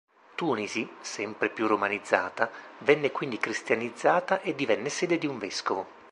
Tunisi, sempre più romanizzata, venne quindi cristianizzata e divenne sede di un vescovo.